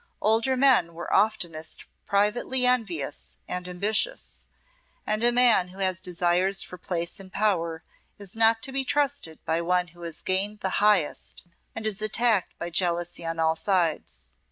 Older men were oftenest privately envious and ambitious; and a man who has desires for place and power is not to be trusted by one who has gained the highest and is attacked by jealousy on all sides.